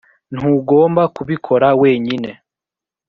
ntugomba kubikora wenyine.